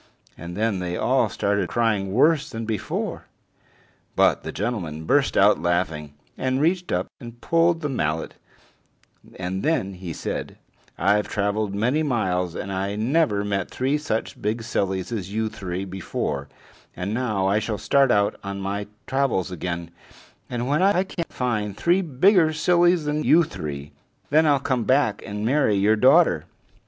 And then they all started crying worse than before. But the gentleman burst out laughing, and reached up and pulled out the mallet, and then he said: "I've traveled many miles, and I never met three such big sillies as you three before; and now I shall start out on my travels again, and when I can find three bigger sillies than you three, then I'll come back and marry your daughter."